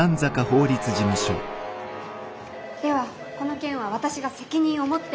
ではこの件は私が責任を持って。